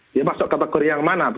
dia masuk ke pekerjaan yang mana